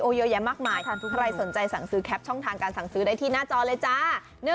เยอะแยะมากมายใครสนใจสั่งซื้อแคปช่องทางการสั่งซื้อได้ที่หน้าจอเลยจ้า